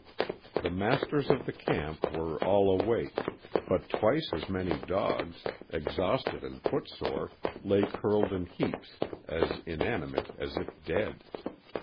The masters of the camp were all awake, but twice as many dogs, exhausted and footsore, lay curled in heaps, as inanimate as if dead.